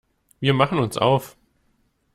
Wir machen uns auf.